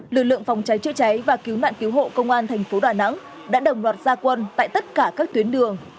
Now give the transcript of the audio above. lực lượng phòng cháy chữa cháy và cứu nạn cứu hộ công an thành phố đà nẵng đã đồng loạt gia quân tại tất cả các tuyến đường